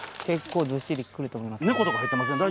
結構ずっしりくると思います。